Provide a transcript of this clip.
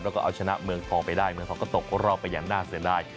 แล้วก็เอาชนะเมืองทองไปได้เมืองทองก็ตกรอบไปอย่างน่าเสียดาย